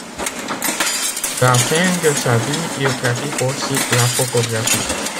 À la fin de sa vie, il pratique aussi la photographie.